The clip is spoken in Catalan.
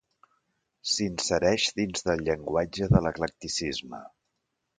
S'insereix dins del llenguatge de l'eclecticisme.